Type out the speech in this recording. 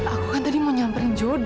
aku tadi mau nyamperin jody